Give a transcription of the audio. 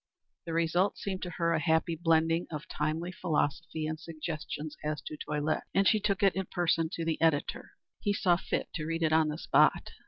The result seemed to her a happy blending of timely philosophy and suggestions as to toilette, and she took it in person to the editor. He saw fit to read it on the spot.